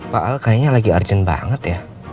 pak al kayaknya lagi urgent banget ya